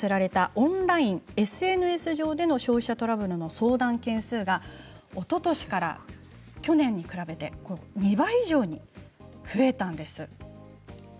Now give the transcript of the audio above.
オンラインＳＮＳ上での消費者トラブルの相談件数がおととしから去年に比べて２倍以上に増えたんです。